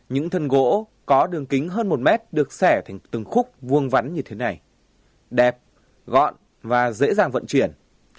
những thân gỗ có đường kính hơn một mét được xẻ thành từng khúc vuông vắn như thế này đẹp gọn và dễ dàng vận chuyển